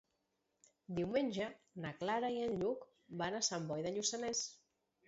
Diumenge na Clara i en Lluc van a Sant Boi de Lluçanès.